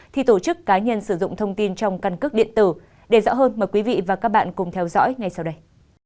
thì tổ chức cá nhân sử dụng thông tin trong căn cước điện tử để rõ hơn mời quý vị và các bạn cùng theo dõi ngay sau đây